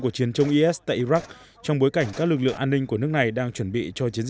cuộc chiến chống is tại iraq trong bối cảnh các lực lượng an ninh của nước này đang chuẩn bị cho chiến